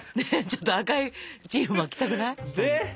ちょっと赤いチーフ巻きたくない？